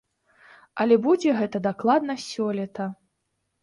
Але будзе гэта дакладна сёлета.